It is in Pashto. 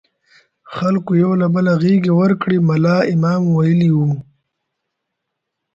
خلکو یو له بله غېږې ورکړې، ملا امام ویلي وو.